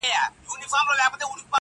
ژوند پکي اور دی، آتشستان دی.